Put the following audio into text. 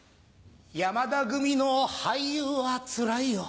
山田組の俳優はつらいよ。